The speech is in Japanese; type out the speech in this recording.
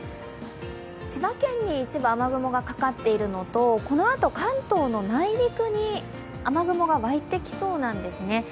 千葉県に一部雨雲がかかっているのとこのあと関東の内陸に雨雲が湧いてきそうなんですね。